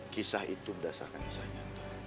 kisah itu berdasarkan kisahnya